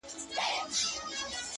د درد د كړاوونو زنده گۍ كي يو غمى دی;